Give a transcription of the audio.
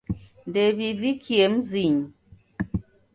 Ndew'ivikie mzinyi.